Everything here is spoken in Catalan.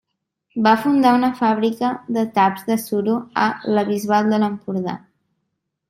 Va fundar una fàbrica de taps de suro a La Bisbal d'Empordà.